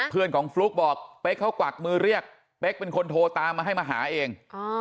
เพื่อนของฟลุ๊กบอกเป๊กเขากวักมือเรียกเป๊กเป็นคนโทรตามมาให้มาหาเอง